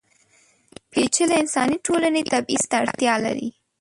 پېچلې انساني ټولنې تبعیض ته اړتیا لري.